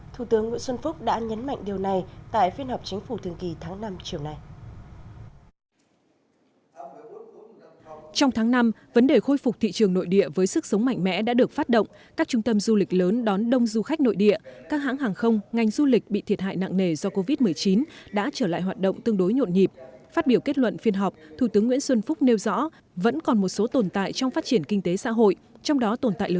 thủ tướng nguyễn xuân phúc đã nhấn mạnh điều này tại phiên họp chính phủ thường kỳ tháng năm chiều nay